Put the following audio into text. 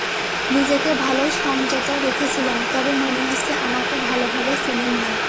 নিজেকে ভালোই সংযত রেখেছিলাম, তবে মনে হচ্ছে আমাকে ভালোভাবে চেনেন না।